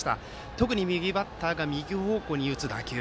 特に右バッターが右方向に打つ打球。